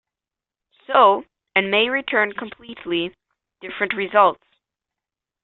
So, and may return completely different results.